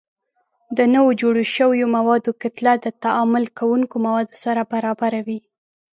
د نوو جوړ شویو موادو کتله د تعامل کوونکو موادو سره برابره وي.